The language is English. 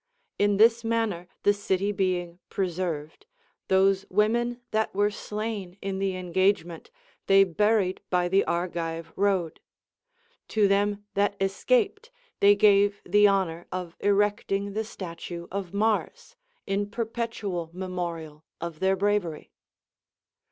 In this manner the city being preserved, those women that were slain in the engagement they buried by the Argive road ; to them that escaped they gave the honor of erecting the statue of Mars, in perpetual memorial of their bravery.